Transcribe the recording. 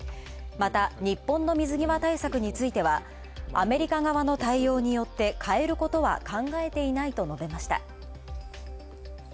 また、日本の水際対策についてはアメリカ側の対応によって変えることは考えていないと述べました